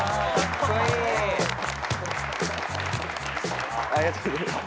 ありがとうございます。